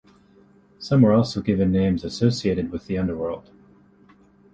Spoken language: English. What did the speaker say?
Some were also given names associated with the underworld.